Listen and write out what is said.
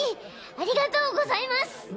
ありがとうございます。